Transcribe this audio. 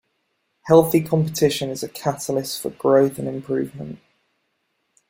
Healthy competition is a catalyst for growth and improvement.